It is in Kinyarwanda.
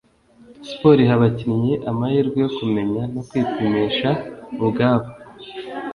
Siporo iha abakinnyi amahirwe yo kumenya no kwipimisha ubwabo